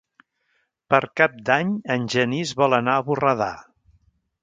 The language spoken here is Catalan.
Per Cap d'Any en Genís vol anar a Borredà.